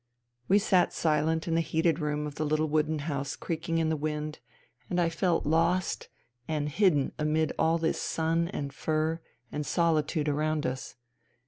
We sat silent in the heated room of the little wooden house creaking in the wind, and I felt lost and hidden amid all this sun and fir and solitude around us.